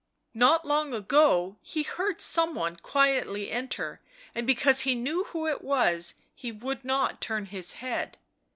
Not long alone; he heard some one quietly enter and because he knew who it was, he would not turn his head.